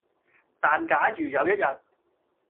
但假如有一日